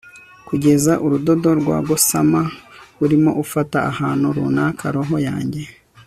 Kugeza urudodo rwa gossamer urimo ufata ahantu runaka roho yanjye